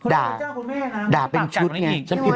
ด่าด่าเป็นชุดนี่ฮะพี่มันไม่เก่ง